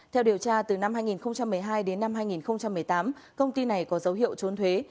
theo điều tra từ năm hai nghìn một mươi hai đến năm hai nghìn một mươi tám công ty này có dấu hiệu trốn thuế